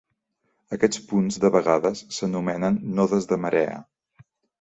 Aquests punts de vegades s'anomenen nodes de marea.